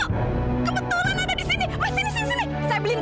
kebetulan ada disini